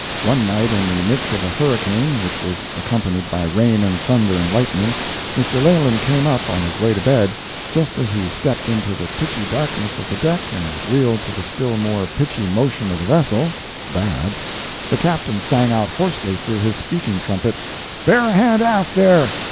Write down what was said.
One night, in the midst of a hurricane, which was accompanied by rain and thunder and lightning, Mr. Leland came up, on his way to bed. Just as he stepped into the pitchy darkness of the deck and reeled to the still more pitchy motion of the vessel, (bad,) the captain sang out hoarsely through his speaking trumpet, "Bear a hand aft, there!"